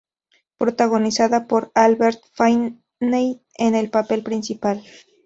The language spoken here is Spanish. Protagonizada por Albert Finney en el papel principal.